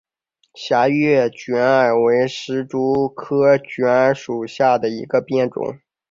狭叶卷耳为石竹科卷耳属下的一个变种。